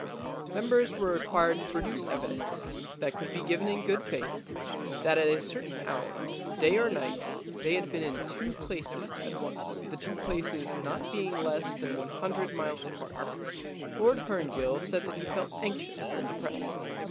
Members were required to produce evidence, that could be given in good faith, that at a certain hour, day or night, they had been in two places at once, the two places not being less than one hundred miles apart. Lord Herngill said that he felt anxious and depressed.